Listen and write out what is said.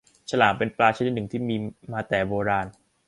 ฉลามเป็นปลาชนิดหนึ่งที่มีมาแต่โบราณ